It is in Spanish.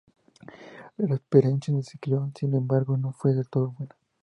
La experiencia en el "Ciclón", sin embargo, no fue del todo buena.